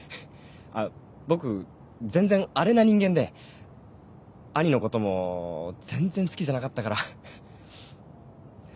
あっ僕全然アレな人間で兄のことも全然好きじゃなかったから。